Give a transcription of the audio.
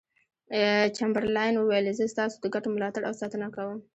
چمبرلاین وویل زه ستاسو د ګټو ملاتړ او ساتنه کوم.